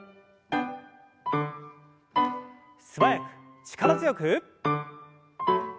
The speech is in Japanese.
素早く力強く。